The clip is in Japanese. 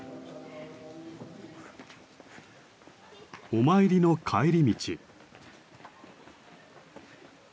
お参りの帰り道。